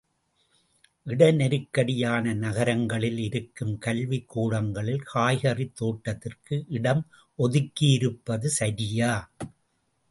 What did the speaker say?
இடநெருக்கடியான நகரங்களில் இருக்கும் கல்விக்கூடங்களில் காய்கறித் தோட்டத்திற்கு இடம் ஒதுக்கியிருப்பது சரியா?